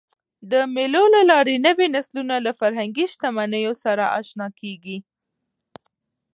د مېلو له لاري نوی نسل له فرهنګي شتمنیو سره اشنا کېږي.